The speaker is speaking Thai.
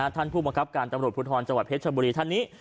ท่านผู้บังคับการตำรวจภูทรจังหวัดเพชรชบุรีท่านนี้